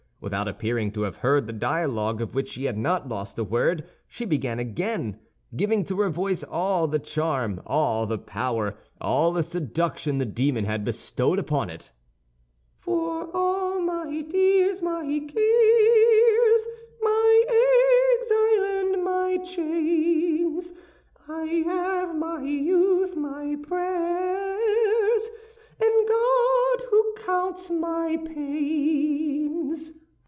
Without appearing to have heard the dialogue, of which she had not lost a word, she began again, giving to her voice all the charm, all the power, all the seduction the demon had bestowed upon it: "For all my tears, my cares, My exile, and my chains, I have my youth, my prayers, And God, who counts my pains."